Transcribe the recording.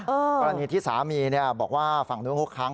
กรณีที่สามีบอกว่าฝั่งด้วย๖ครั้ง